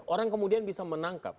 orang kemudian bisa menangkap